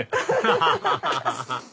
ハハハハ！